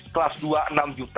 kelas dua rp enam